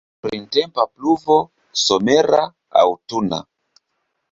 Printempa pluvo, somera, aŭtuna!